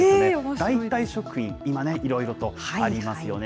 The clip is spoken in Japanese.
代替食品、今ね、いろいろとありますよね。